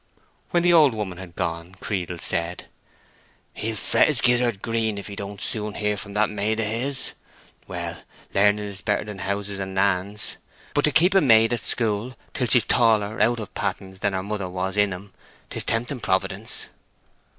When the old woman had gone Creedle said, "He'll fret his gizzard green if he don't soon hear from that maid of his. Well, learning is better than houses and lands. But to keep a maid at school till she is taller out of pattens than her mother was in 'em—'tis tempting Providence."